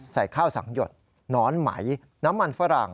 ใส่ข้าวสังหยดหนอนไหมน้ำมันฝรั่ง